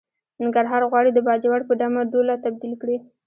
ننګرهار غواړي د باجوړ په ډمه ډوله تبديل کړي.